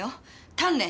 鍛錬！